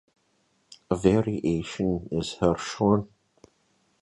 A variation is Hirshhorn.